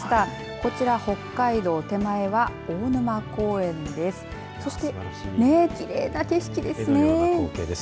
こちら北海道手前は大沼公園です。